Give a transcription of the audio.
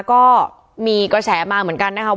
ก็มีกระแสมาเหมือนกันนะคะว่า